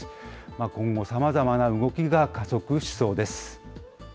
今後、さまざまな動きが加速しそうです。